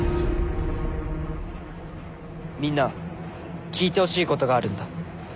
みんな聞いてほしいことがあるんだ